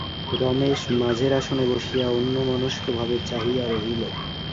রমেশ মাঝের আসনে বসিয়া অন্যমনস্কভাবে চাহিয়া রহিল।